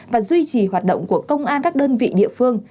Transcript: và duy trì hoạt động của công an các đơn vị địa phương